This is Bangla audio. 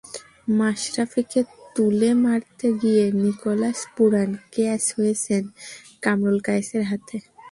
মাশরাফিকে তুলে মারতে গিয়ে নিকোলাস পুরান ক্যাচ হয়েছেন ইমরুল কায়েসের হাতে।